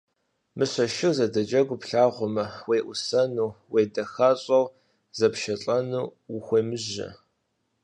Мыщэ шыр зэдэджэгуу плъагъумэ, уеӀусэну, уедэхащӀэу зэпшэлӀэну ухуемыжьэ.